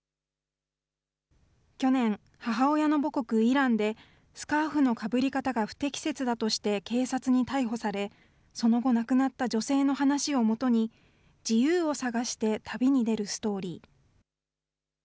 去年、母親の母国イランで、スカーフのかぶり方が不適切だとして警察に逮捕され、その後亡くなった女性の話をもとに、自由を探して旅に出るストーリー。